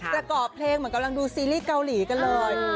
ประกอบเพลงเหมือนกำลังดูซีรีส์เกาหลีกันเลย